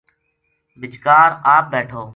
بِچکار آپ بیٹھو